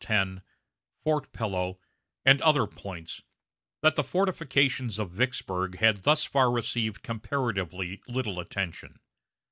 10, Fort Pillow, and other points, that the fortifications of Vicksburg had thus far received comparatively little attention.